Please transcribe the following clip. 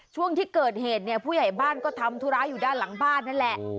ช่วงที่เกิดเหตุเนี่ยผู้ใหญ่บ้านก็ทำธุระอยู่ด้านหลังบ้านนั่นแหละ